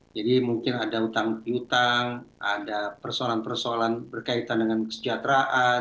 jadi mungkin ada utang utang ada persoalan persoalan berkaitan dengan kesejahteraan